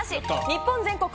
日本全国